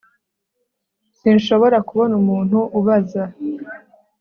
Sinshobora kubona umuntu ubaza